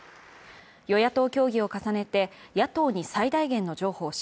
与野党協議を重ねて野党に最大限の譲歩をし、